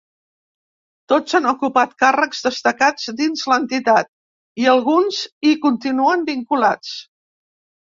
Tots han ocupat càrrecs destacats dins l’entitat i alguns hi continuen vinculats.